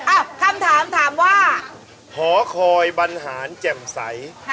คำถามถามว่าหอคอยบรรหารแจ่มใส